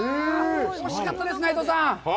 惜しかったです、内藤さん。